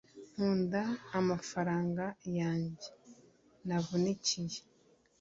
Nkunda amafaranga yanjye navunikiye